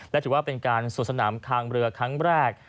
และถือว่าเป็นการสวดสนามคางเรือครั้งแรก